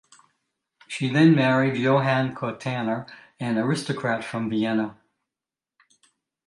She then married Johann Kottanner, an aristocrat from Vienna.